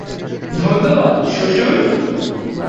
ধন্যবাদ, শ্বশুর।